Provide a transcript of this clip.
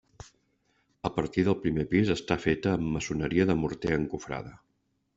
A partir del primer pis està feta amb maçoneria de morter encofrada.